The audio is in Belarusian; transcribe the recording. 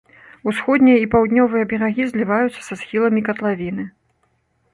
Усходнія і паўднёвыя берагі зліваюцца са схіламі катлавіны.